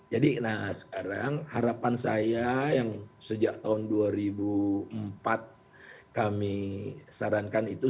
jadi nah sekarang harapan saya yang sejak tahun dua ribu empat kami sarankan itu